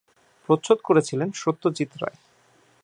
প্রচ্ছদ করেছিলেন সত্যজিৎ রায়।